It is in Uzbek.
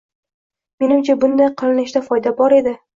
Menimcha, bunday qilinishida foyda bor edi.